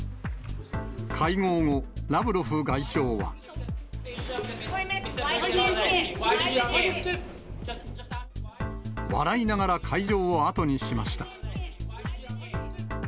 会合後、ラブロフ外相は。笑いながら会場を後にしました。